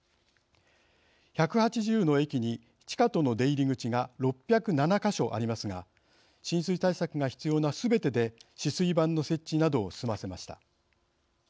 １８０の駅に地下との出入り口が６０７か所ありますが浸水対策が必要なすべてで止水板の設置などを済ませました。